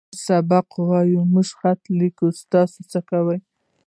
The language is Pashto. موږ سبق ووايه. موږ خط وليکو. تاسې څۀ کوئ؟